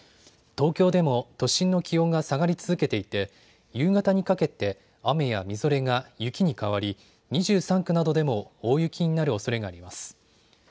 東京でも都心の気温が下がり続けていて夕方にかけて雨やみぞれが雪に変わり２３区などでも大雪になるおそれがあります。